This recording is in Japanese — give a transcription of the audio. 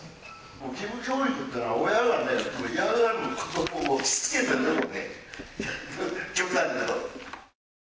義務教育っていうのは、親が嫌がる子どもを押しつけてでもね、極端に言うと。